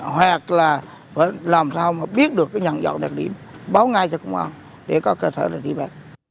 hoặc là làm sao mà biết được cái nhận dọn đặc điểm báo ngay cho công an để có cơ sở để trí bác